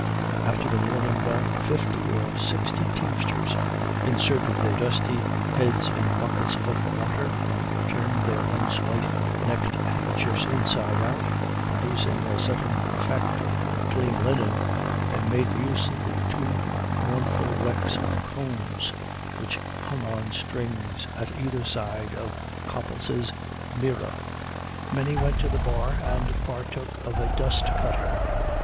After the warning bell, fifty or sixty teamsters inserted their dusty heads in buckets of water, turned their once white neck handkerchiefs inside out, producing a sudden effect of clean linen, and made use of the two mournful wrecks of combs which hung on strings at either side the Copples's mirror. Many went to the bar and partook of a "dust cutter."